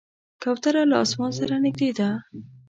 کوتره له اسمان سره نږدې ده.